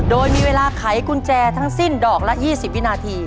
โดยมีเวลาไขกุญแจทั้งสิ้นดอกละ๒๐วินาที